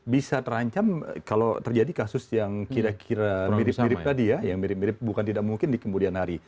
bisa terancam kalau terjadi kasus yang kira kira mirip mirip tadi ya yang mirip mirip bukan tidak mungkin di kemudian hari